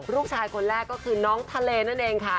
ลูกชายคนแรกก็คือน้องทะเลนั่นเองค่ะ